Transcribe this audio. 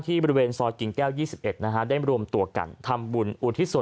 ทำบุญอุทิสสวร